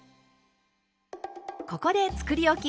ここでつくりおき